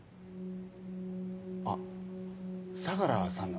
あ相良さんの？